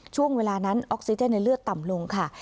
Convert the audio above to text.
ช่วงเวลานั้นออกซิเจนในเลือดต่ำลงค่ะ